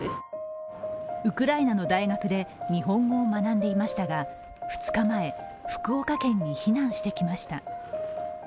ウクライナの大学で日本語を学んでいましたが２日前、福岡県に避難してきました。